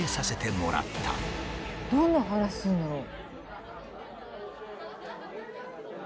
どんな話するんだろう。